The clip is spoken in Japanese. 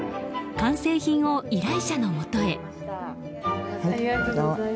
完成品を依頼者のもとへ。